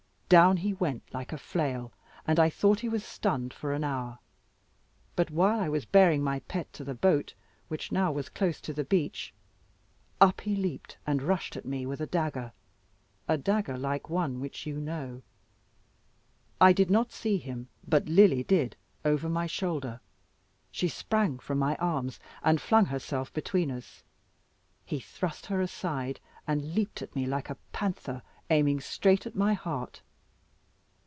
Down he went like a flail, and I thought he was stunned for an hour; but while I was bearing my pet to the boat, which now was close to the beach, up he leaped, and rushed at me with a dagger a dagger like one which you know. I did not see him, but Lily did over my shoulder; she sprang from my arms and flung herself between us. He thrust her aside, and leaped at me like a panther, aiming straight at my heart.